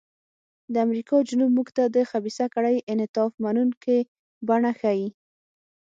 د امریکا جنوب موږ ته د خبیثه کړۍ انعطاف منونکې بڼه ښيي.